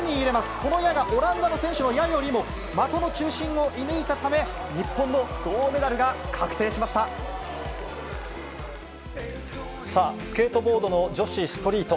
この矢がオランダの選手の矢よりも的の中心を射ぬいたため、さあ、スケートボードの女子ストリート。